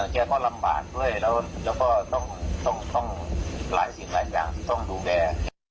แกก็ลำบากด้วยแล้วก็ต้องหลายสิ่งหลายอย่างที่ต้องดูแล